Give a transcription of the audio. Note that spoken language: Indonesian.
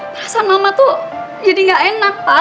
ngerasa mama tuh jadi gak enak pak